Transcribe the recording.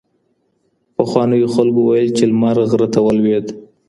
پخوانیو خلګو ویل چي لمر غره ته ولوېد.